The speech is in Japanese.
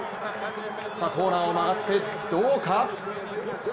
コーナーを曲がって、どうか。